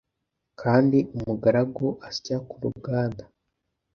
kandi umugaragu asya ku ruganda,